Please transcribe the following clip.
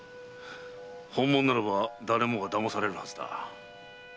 本物ならば誰もが騙されるはずだ。